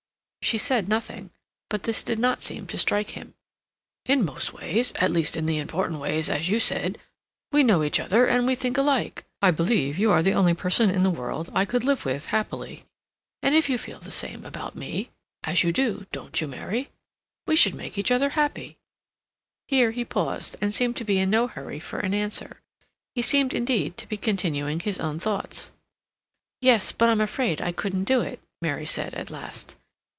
She said nothing, but this did not seem to strike him. "In most ways, at least in the important ways, as you said, we know each other and we think alike. I believe you are the only person in the world I could live with happily. And if you feel the same about me—as you do, don't you, Mary?—we should make each other happy." Here he paused, and seemed to be in no hurry for an answer; he seemed, indeed, to be continuing his own thoughts. "Yes, but I'm afraid I couldn't do it," Mary said at last.